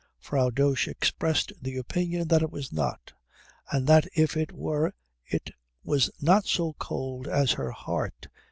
Frau Dosch expressed the opinion that it was not, and that if it were it was not so cold as her heart.